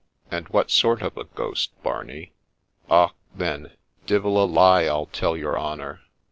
And what sort of a ghost, Barney ?'' Och, then, divil a lie I'll tell your honour.